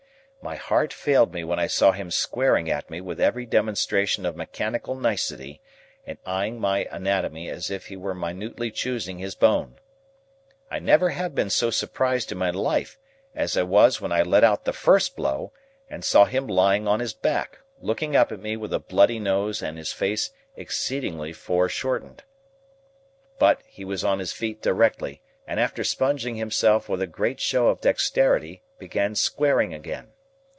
My heart failed me when I saw him squaring at me with every demonstration of mechanical nicety, and eyeing my anatomy as if he were minutely choosing his bone. I never have been so surprised in my life, as I was when I let out the first blow, and saw him lying on his back, looking up at me with a bloody nose and his face exceedingly fore shortened. But, he was on his feet directly, and after sponging himself with a great show of dexterity began squaring again.